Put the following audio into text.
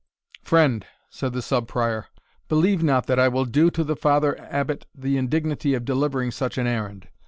"Friend," said the Sub Prior, "believe not that I will do to the Father Abbot the indignity of delivering such an errand.